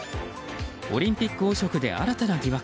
オリンピック汚職で新たな疑惑。